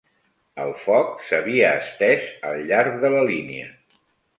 El foc s'havia estès al llarg de la línia